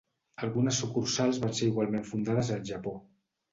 Algunes sucursals van ser igualment fundades al Japó.